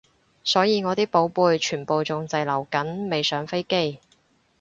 所以我啲寶貝全部仲滯留緊未上飛機